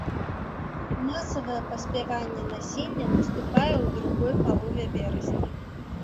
Масавае паспяванне насення наступае ў другой палове верасня.